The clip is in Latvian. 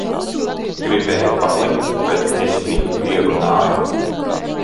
Gribēja palikt, bet es viņu pierunāju.